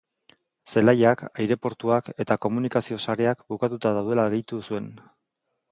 Zelaiak, aireportuak eta komunikazio-sareak bukatuta daudela gehitu zuen.